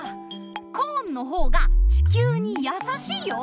コーンのほうが地きゅうにやさしいよ。